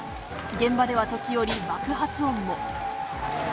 現場では時折、爆発音も。